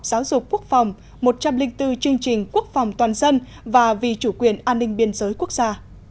giáo dục quốc phòng một trăm linh bốn chương trình quốc phòng toàn dân và vì chủ quyền an ninh biên giới quốc gia